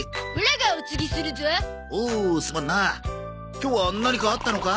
今日は何かあったのか？